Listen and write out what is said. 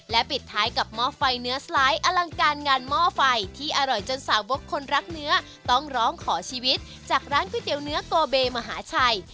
ปิดท้ายกับหม้อไฟเนื้อสไลด์อลังการงานหม้อไฟที่อร่อยจนสาวบกคนรักเนื้อต้องร้องขอชีวิตจากร้านก๋วยเตี๋ยวเนื้อโกเบมหาชัย